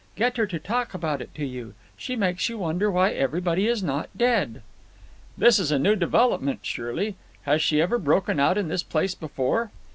Get her to talk about it to you. She makes you wonder why everybody is not dead." "This is a new development, surely? Has she ever broken out in this place before?"